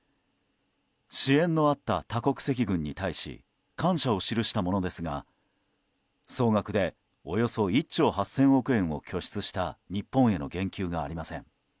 支援のあった多国籍軍に対し感謝を記したものですが総額でおよそ１兆８０００億円を拠出した日本への言及がありません。